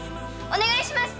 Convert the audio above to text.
お願いします！